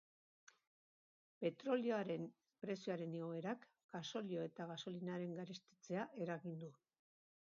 Petrolioaren prezioaren igoerak gasolio eta gasolinaren garestitzea eragin du.